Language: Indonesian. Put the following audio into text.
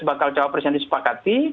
bakal capres yang disepakati